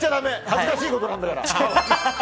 恥ずかしいことなんだから。